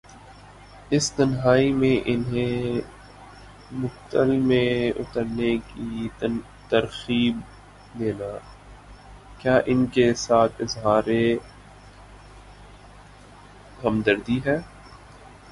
اس تنہائی میں انہیں مقتل میں اترنے کی ترغیب دینا، کیا ان کے ساتھ اظہار ہمدردی ہے؟